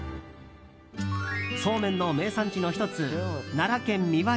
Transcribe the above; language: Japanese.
そうめんの名産地の１つ奈良県三輪